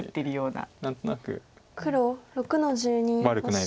黒６の十二オシ。